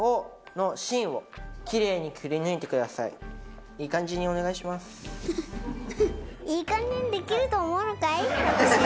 いい感じにできると思うのかい？